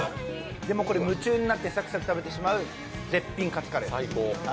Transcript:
もうこれ、夢中になってサクサク食べてしまう絶品カツカレーです。